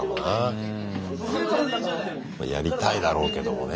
やりたいだろうけどもね。